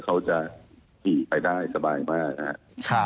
เขาจะขี่ไปได้สบายมาก